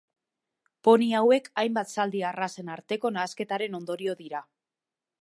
Poni hauek hainbat zaldi arrazen arteko nahasketaren ondorio dira.